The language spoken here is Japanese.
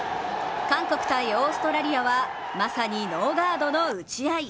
韓国×オーストラリアはまさにノーガードの打ち合い。